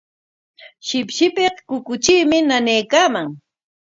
Shipshipik kukutriimi nanaykaaman.